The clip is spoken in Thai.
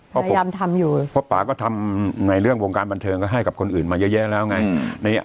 ก็พยายามทำอยู่เพราะป่าก็ทำในเรื่องวงการบันเทิงก็ให้กับคนอื่นมาเยอะแยะแล้วไง